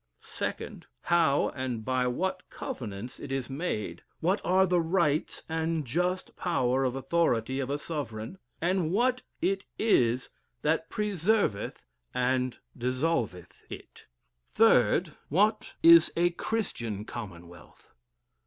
"2nd. How, and by what covenants it is made, what are the rights and just power or authority of a sovereign; and what it is that preserveth and dissolveth it. "3rd. What is a Christian Commonwealth.